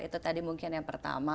itu tadi mungkin yang pertama